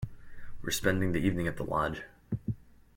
We're spending the evening at the lodge.